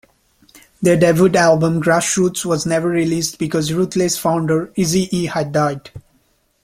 Their debut album, "Grass Roots", was never released because Ruthless founder Eazy-E had died.